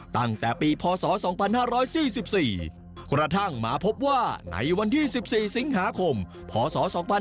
ตั้งแต่ปีพศ๒๕๔๔กระทั่งมาพบว่าในวันที่๑๔สิงหาคมพศ๒๕๕๙